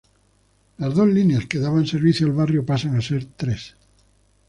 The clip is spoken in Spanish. Las dos líneas que daban servicio al barrio pasan a ser tres.